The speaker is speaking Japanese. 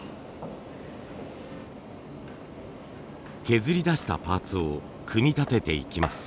削り出したパーツを組み立てていきます。